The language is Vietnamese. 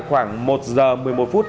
khoảng một giờ một mươi một phút